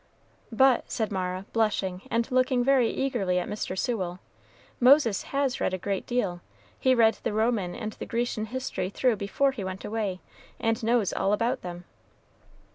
"But," said Mara, blushing and looking very eagerly at Mr. Sewell, "Moses has read a great deal. He read the Roman and the Grecian history through before he went away, and knows all about them."